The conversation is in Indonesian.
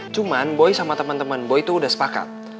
cuma boy sama temen temen boy tuh udah sepakat